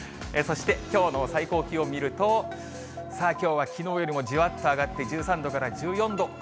そしてきょうの最高気温を見ると、さあ、きょうはきのうよりもじわっと上がって、１３度から１４度。